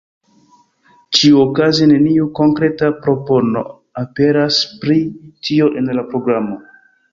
Ĉiuokaze neniu konkreta propono aperas pri tio en la programo.